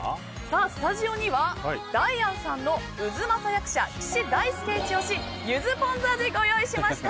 スタジオにはダイアンさんの太秦役者・岸大介イチ押しゆずポン酢味、ご用意しました。